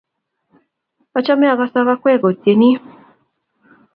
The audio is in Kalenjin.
achamee akosoo okwek otienii.